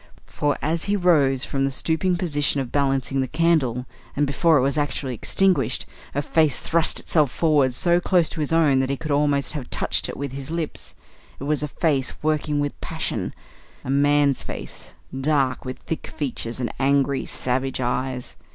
For, as he rose from the stooping position of balancing the candle, and before it was actually extinguished, a face thrust itself forward so close to his own that he could almost have touched it with his lips. It was a face working with passion; a man's face, dark, with thick features, and angry, savage eyes.